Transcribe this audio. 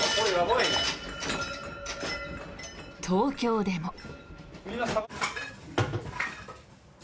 東京でも。